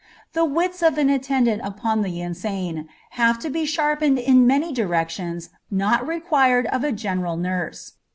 The wits of an attendant upon the insane have to be sharpened in many directions not required of a general nurse.